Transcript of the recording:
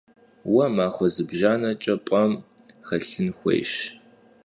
Vue maxue zıbjjaneç'e p'em xelhın xuêyş.